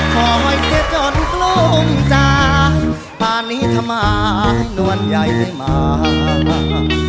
ขอยเจ็ดจนกลงจากพ่อหนี้ทำไมน้วนไยไหมมา